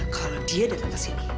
kalau dia datang ke sini